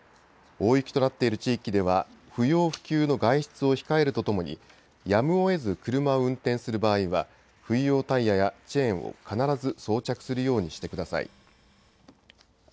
大雪となっている地域では不要不急の外出を控えるとともにやむをえず車を運転する場合は冬用タイヤやチェーンを必ず装着するようにしてください。